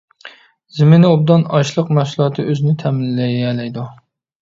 زېمىنى ئوبدان، ئاشلىق مەھسۇلاتى ئۆزىنى تەمىنلىيەلەيدۇ.